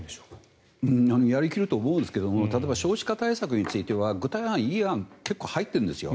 やり切ると思うんですが例えば少子化対策については具体案、いい案が結構入っているんですよ。